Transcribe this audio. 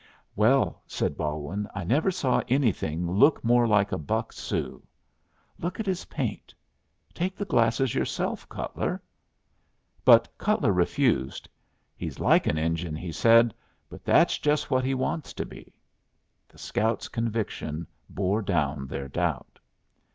"Well," said Balwin, "I never saw anything look more like a buck Sioux. Look at his paint. Take the glasses yourself, Cutler." But Cutler refused. "He's like an Injun," he said. "But that's just what he wants to be." The scout's conviction bore down their doubt.